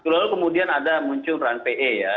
lalu kemudian ada muncul ranpe ya